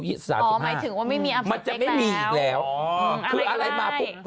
อ๋อหมายถึงว่ามันจะไม่มีอัพสเปคแล้วอ๋ออ๋ออะไร